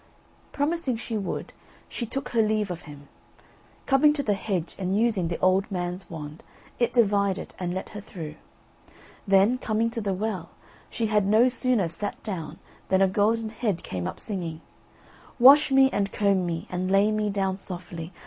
Promising she would, she took her leave of him. Coming to the hedge and using the old man's wand, it divided, and let her through; then, coming to the well, she had no sooner sat down than a golden head came up singing: "Wash me, and comb me, And lay me down softly.